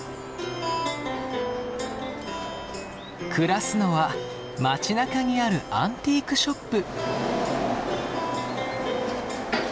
暮らすのは街なかにあるアンティークショップ。